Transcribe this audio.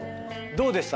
どうでした？